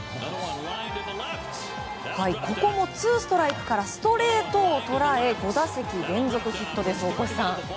ここもツーストライクからストレートを捉え５打席連続ヒットですよ大越さん。